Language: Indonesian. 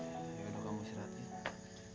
ya udah opi ke atas dulu ya